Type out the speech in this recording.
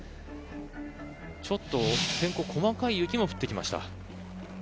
ちょっと、天候細かい雪も降ってきました。